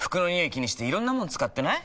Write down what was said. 気にしていろんなもの使ってない？